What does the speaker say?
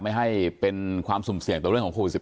ไม่ให้เป็นความสุ่มเสี่ยงต่อเรื่องของโควิด๑๙